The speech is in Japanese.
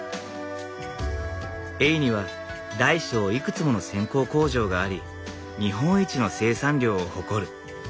江井には大小いくつもの線香工場があり日本一の生産量を誇る。